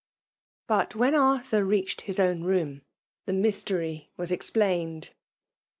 But when Arthur reached his own room, the mystery was explained.